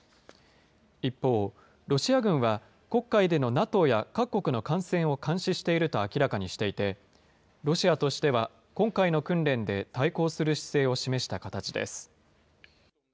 一方、ロシア軍は黒海でのＮＡＴＯや各国の艦船を監視していると明らかにしていて、ロシアとしては今回の訓練で対抗する姿勢を示した形です。